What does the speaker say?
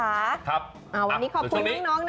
วันนี้ขอบคุณน้องนะ